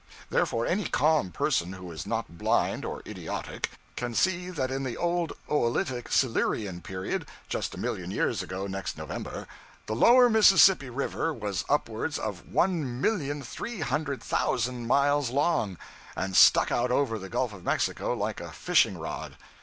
Therefore, any calm person, who is not blind or idiotic, can see that in the Old Oolitic Silurian Period,' just a million years ago next November, the Lower Mississippi River was upwards of one million three hundred thousand miles long, and stuck out over the Gulf of Mexico like a fishing rod.